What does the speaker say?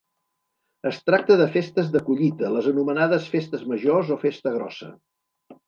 Es tracta de festes de collita, les anomenades Festes Majors o Festa Grossa.